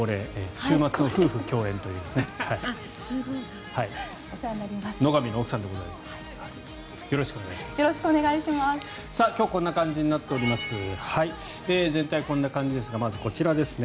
週末の夫婦共演というですね。